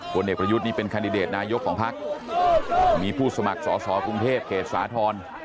ผลเอกประยุทธ์นี่เป็นคันดิเดตนายกของพักมีผู้สมัครสอสอกรุงเทพเขตสาธรณ์